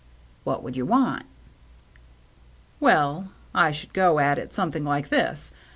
" What would you want ?" "Well — I should go at it something like this.